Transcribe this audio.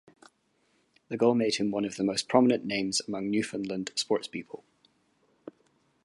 The goal made him one of the most prominent names among Newfoundland sportspeople.